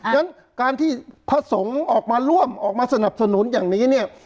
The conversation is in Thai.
ฉะนั้นการที่พระสงฆ์ออกมาร่วมออกมาสนับสนุนอย่างนี้เนี่ย